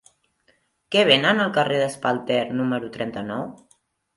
Què venen al carrer d'Espalter número trenta-nou?